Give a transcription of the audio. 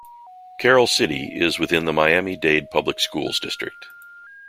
Carol City is within the Miami-Dade Public Schools district.